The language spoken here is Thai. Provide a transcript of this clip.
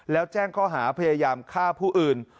แล้วแจ้งข้อหาพยายามฆ่าผู้อื่น